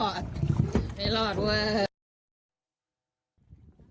อ้าไม่รอดไม่รอดไม่รอดเว้ย